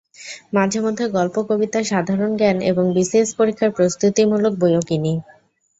মাঝেমধ্যে গল্প, কবিতা, সাধারণ জ্ঞান এবং বিসিএস পরীক্ষার প্রস্তুতিমূলক বইও কিনি।